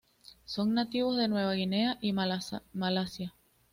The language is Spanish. Son nativos de Nueva Guinea y Malasia.